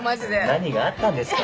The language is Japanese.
何があったんですか？